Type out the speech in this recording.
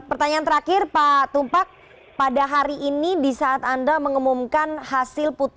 pertanyaan terakhir pak tumpak pada hari ini di saat anda mengemumumi anda mencari kepentingan